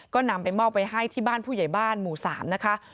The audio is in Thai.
ก็นำไปมอบไว้ให้ที่บ้านผู้ใหญ่บ้านหมู่๓นะคะ